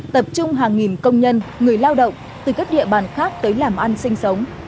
tập trung hàng nghìn công nhân người lao động từ các địa bàn khác tới làm ăn sinh sống